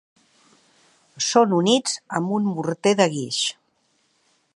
Són units amb un morter de guix.